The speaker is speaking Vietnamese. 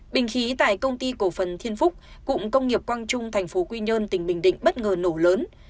bình khí tại công ty cổ phần thiên phúc cụng công nghiệp quang trung thành phố quy nhơn tỉnh bình định bất ngờ nổ lớn